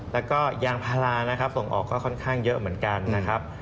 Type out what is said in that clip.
แล้วก็ยางพารานะครับส่งออกก็ค่อนข้างเยอะเหมือนกันนะครับ